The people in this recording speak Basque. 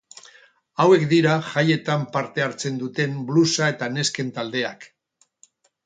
Hauek dira jaietan parte hartzen duten blusa eta nesken taldeak.